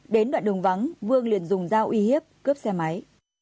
đến đoạn đường vắng vương liền dùng dao uy hiếp cướp xe máy